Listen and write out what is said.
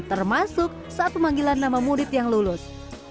termasuk saat pemanggilan nama murid yang lulus